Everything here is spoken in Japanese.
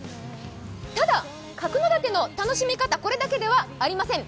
ただ、角館の楽しみ方、これだけではありません。